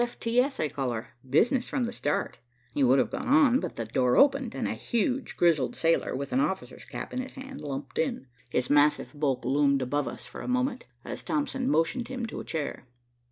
B. F. T. S. I call her, 'business from the start.'" He would have gone on, but the door opened, and a huge grizzled sailor with an officer's cap in his hand lumped in. His massive bulk loomed above us for a moment, as Thompson motioned him to a chair.